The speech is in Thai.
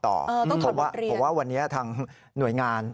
ต้องถอดบทเรียนเพราะว่าวันนี้ทางหน่วยงาน